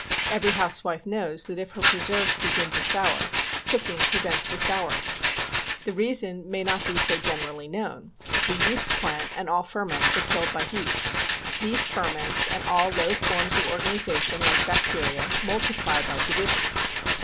Every housewife knows that if her preserves begin to sour, cooking prevents the souring. The reason may not be so generally known. The yeast plant and all ferments are killed by heat. These ferments and all low forms of organization like bacteria, multiply by division